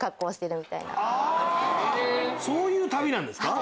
そういう旅なんですか！